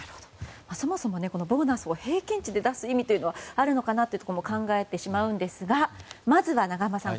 そもそもボーナスを平均値で出す意味というのはあるのかなというところも考えてしまうんですがまずは永濱さん